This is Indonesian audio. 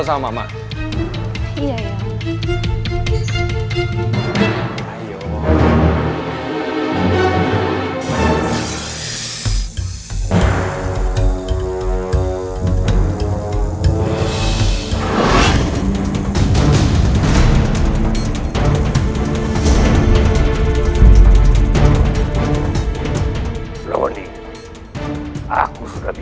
sampai jumpa gak